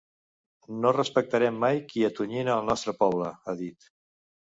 No respectarem mai qui atonyina el nostre poble, ha dit.